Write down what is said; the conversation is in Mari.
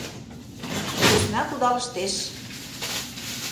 СӦСНА КУДАЛЫШТЕШ